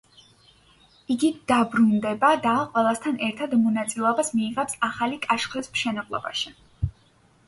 იგი დაბრუნდება და ყველასთან ერთად მონაწილეობას მიიღებს ახალი კაშხლის მშენებლობაში.